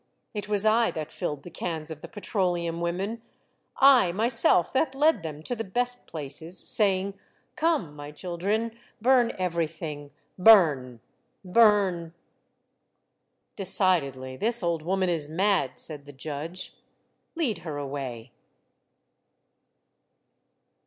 It was I that filled the cans of the petroleum women, I myself that led them to the best places, saying, 'Come, my children, burn everything, — burn! burn!'" " Decidedly this old woman is mad," said the judge. " Lead her away."